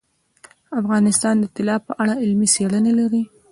افغانستان د طلا په اړه علمي څېړنې لري.